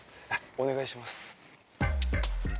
お願いします。